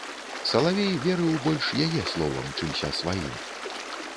Салавей верыў больш яе словам, чымся сваім.